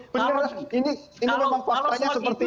beneran ini memang faktanya seperti itu